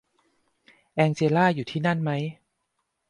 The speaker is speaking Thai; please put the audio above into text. แองเจลล่าอยู่ที่นั่นมั้ย